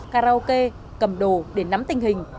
karaoke cầm đồ để nắm tình hình